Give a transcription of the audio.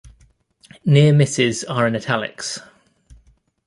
Near misses are in italics.